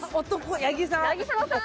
八木澤さん。